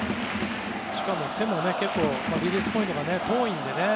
手も、リリースポイントが遠いのでね